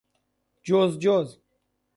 جزجز